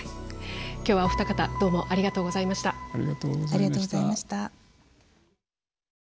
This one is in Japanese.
今日はお二方どうもありがとうございました。